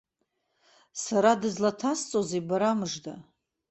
Сара дызлаҭасҵозеи, бара мыжда!